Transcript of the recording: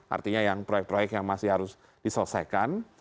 artinya yang proyek proyek yang masih harus diselesaikan